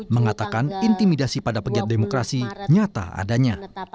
mengatakan intimidasi pada pegiat demokrasi nyata adanya